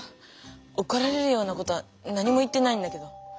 おこられるようなことは何も言ってないんだけど。